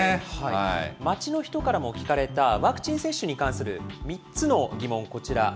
街の人からも聞かれた、ワクチン接種に関する３つの疑問、こちら。